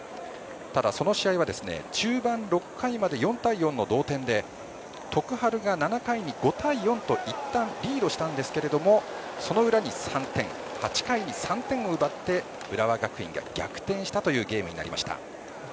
その試合は、中盤６回まで４対４の同点で徳栄が７回に５対４といったんリードしたんですがその裏に３点８回に３点を奪って浦和学院が逆転したというゲームになりました。